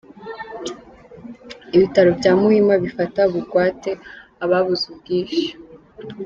Ibitaro bya Muhima bifata bugwate ababuze ubwishyu.